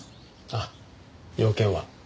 あっ用件は。